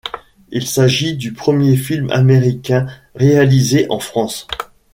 Il s'agit du premier film américain réalisé en France.